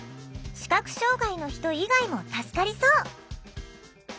視覚障害の人以外も助かりそう！」。